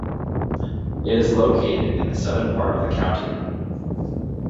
It is located in the southern part of the county.